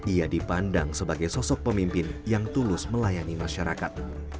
ia dipandang sebagai sosok pemimpin yang tulus melayani masyarakat